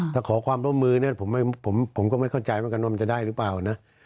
ถ้าขอความร่วมมือเนี่ยผมก็ไม่เข้าใจเหมือนกันว่ามันจะได้หรือเปล่านะ